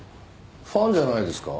ファンじゃないですか？